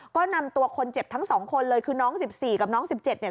ก็นำตัวคนเจ็บทั้งสองคนเลยคือน้อง๑๔กับน้อง๑๗เนี่ย